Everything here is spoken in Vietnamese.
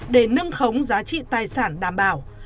để nâng khống giá trị tài sản đảm bảo